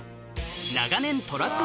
長年トラック